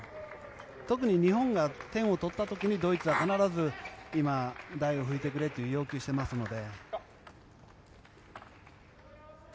特に日本が点を取った時にドイツは必ず今、台を拭いてくれという要求をしていますので。